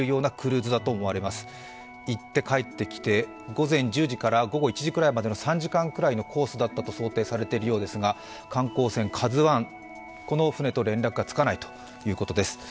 午前１０時から午後１時ぐらいまでの３時間ぐらいのコースだったと想定されているそうですが、観光船「ＫＡＺＵⅠ」、この船と連絡がつかないということです。